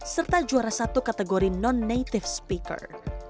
serta juara satu kategori non native speaker